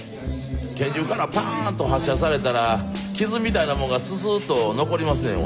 拳銃からパーンと発射されたら傷みたいなもんがススーっと残りますねんわ。